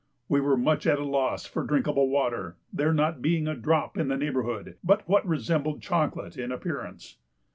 We were much at a loss for drinkable water, there not being a drop in the neighbourhood but what resembled chocolate in appearance.